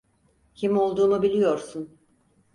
Kim olduğumu biliyorsun.